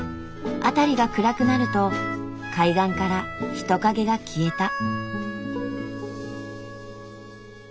辺りが暗くなると海岸から人影が消えた。